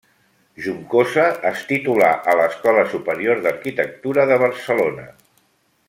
Juncosa es titulà a l'escola Superior d'Arquitectura de Barcelona.